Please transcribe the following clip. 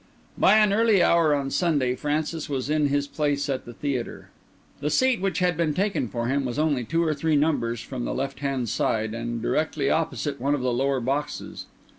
By an early hour on Sunday Francis was in his place at the theatre. The seat which had been taken for him was only two or three numbers from the left hand side, and directly opposite one of the lower boxes.